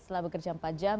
setelah bekerja empat jam